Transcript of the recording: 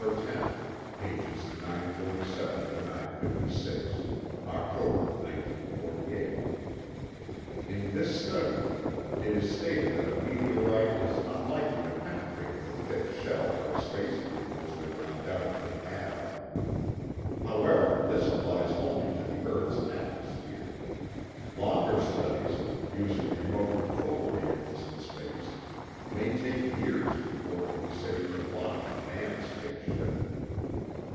10, pp. 947 956, October 1948) In this study, it is stated that a meteorite is unlikely to penetrate the thick shell our space vehicles will undoubtedly have. However, this applies only to the earth's atmosphere. Longer studies, using remote controlled vehicles in space, may take years before it will be safe to launch a manned space ship.